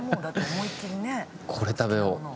これ食べよう。